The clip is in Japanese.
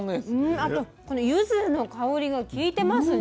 あとこのゆずの香りがきいてますね。